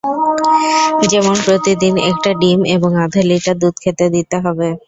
যেমন প্রতিদিন একটা ডিম এবং আধা লিটার দুধ খেতে দিতে হবে।